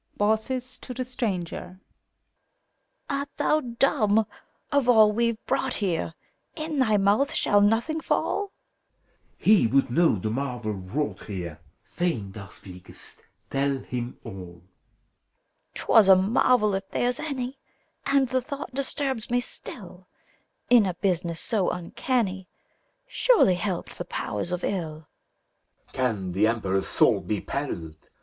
BAUCIS (to the Stranger), RT thou dumb? Of all we've brought here, In thy mouth shall nothing fall? PHILEMON. He would know the marvel wrought here : Fain thou speakest: tell him all! BAUCIS. 'T was a marvel, if there's any I And the thought disturbs me still : In a business so uncanny Surely helped the Powers of 111. PHILEMON. Can the Emperor's soul be perilled.